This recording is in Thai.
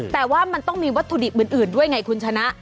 แต่ว่ามันต้องมีวัตถุดิบอื่นด้วยไงคุณชนะ